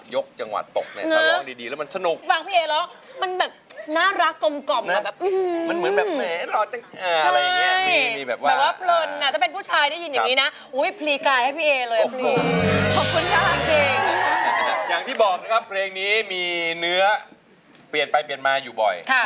จังหวะตกนะครับเพลงนี้มีเนื้อเปลี่ยนไปเปลี่ยนมาอยู่บ่อย